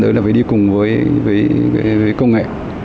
phải đi cùng với công nghệ